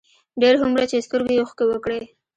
ډېر هومره چې سترګو يې اوښکې وکړې،